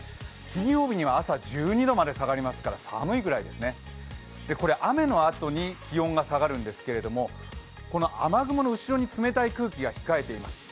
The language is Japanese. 金曜日には朝１２度まで下がりますから寒いぐらいですね、これ雨のあとに気温が下がるんですけれども雨雲の後ろに冷たい空気が控えています。